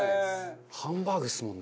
ハンバーグですもんね。